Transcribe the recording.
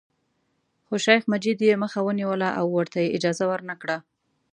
خو شیخ مجید یې مخه ونیوله او ورته یې اجازه ورنکړه.